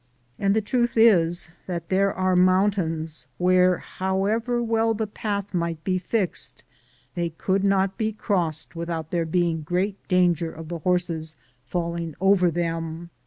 And the truth is, that there are mountains where, however well the path might be fixed, they could not be crossed without there being great danger of the horses falling over them.